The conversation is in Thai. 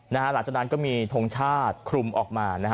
หลังจากนั้นก็มีทงชาติคลุมออกมานะฮะ